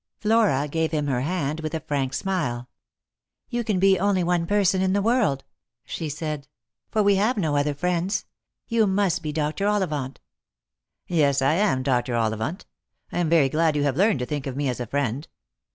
Flora gave him her hand with a frank smile. " You can be only one person in the world," she said ;" for we have no other friends. You must be Dr. Ollivant." " Yes I am Dr. Ollivant. I am very glad you have learned to think of me as a friend."